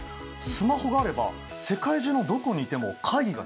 スマホがあれば世界中のどこにいても会議ができちゃう。